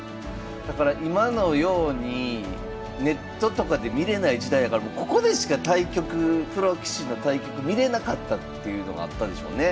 だから今のようにネットとかで見れない時代やからここでしか対局プロ棋士の対局見れなかったっていうのがあったんでしょうね。